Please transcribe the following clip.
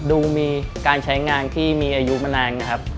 ดูมีการใช้งานที่มีอายุมานานนะครับ